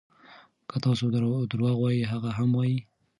که تاسو درواغ ووایئ هغه هم وایي.